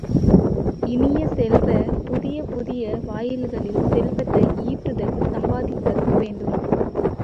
இனிய செல்வ, புதிய புதிய வாயில்களில் செல்வத்தை ஈட்டுதல் சம்பாதித்தல் வேண்டும்.